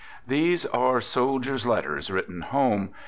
These are soldiers' letters written home.